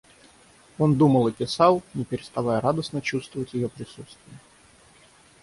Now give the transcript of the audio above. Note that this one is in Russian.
Он думал и писал, не переставая радостно чувствовать ее присутствие.